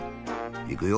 いくよ。